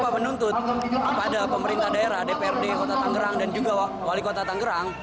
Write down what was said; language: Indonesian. menuntut kepada pemerintah daerah dprd kota tangerang dan juga wali kota tangerang